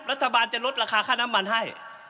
รัฐบาลจะลดราคาค่าน้ำมันให้